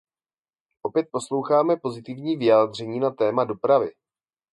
Opět posloucháme pozitivní vyjádření na téma dopravy.